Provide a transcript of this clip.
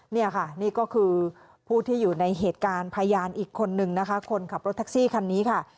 นี่ค่ะนี่ก็คือผู้ที่อยู่ในเหตุการณ์พยานอีกคนนึงนะคะคนขับรถแท็กซี่คันนี้ค่ะ